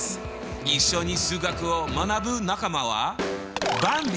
一緒に数学を学ぶ仲間はばんび